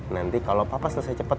nanti kalau papa selesai cepat